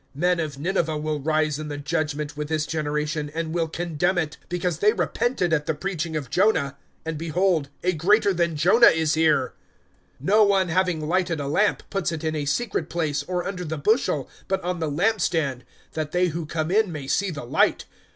(32)Men of Nineveh will rise in the judgment with this generation, and will condemn it; because they repented at the preaching of Jonah; and behold, a greater than Jonah is here. (33)No one, having lighted a lamp, puts it in a secret place, or under the bushel, but on the lamp stand, that they who come in may see the light.